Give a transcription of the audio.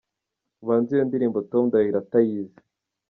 Ubanze iyo ndirimbo Tom Ndahiro atayizi.